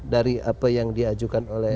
dari apa yang diajukan oleh